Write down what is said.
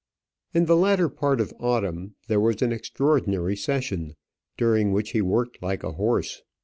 In the latter part of autumn there was an extraordinary session, during which he worked like a horse.